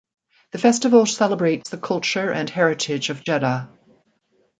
The festival celebrates the culture and heritage of Jeddah.